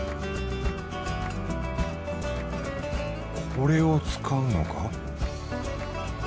これを使うのか？